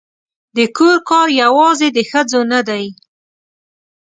د کور کار یوازې د ښځو نه دی